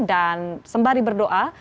dan sembari berdoa